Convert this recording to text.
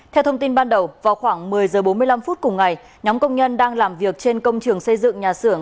theo thông tin ban đầu vào khoảng một mươi h bốn mươi năm phút cùng ngày nhóm công nhân đang làm việc trên công trường xây dựng nhà xưởng